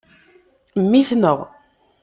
Mmi-tneɣ.